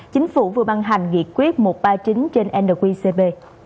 chính phủ vừa băng hành nghị quyết một trăm ba mươi chín trên nqcb